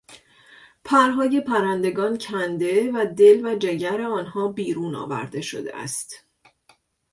پرهای پرندگان کنده و دل و جگر آنها بیرون آورده شده است.